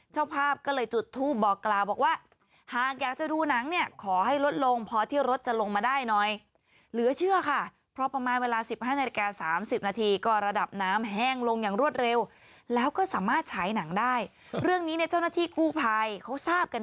ใช้หนังได้เรื่องนี้เนี่ยเจ้าหน้าที่กู้ภายเขาทราบกัน